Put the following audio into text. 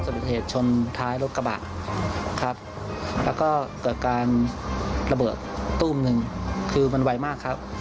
ดูเหตุชนท้ายรถกระบะครับแล้วก็เกิดการระเบิดตู้มหนึ่งคือมันไวมากครับ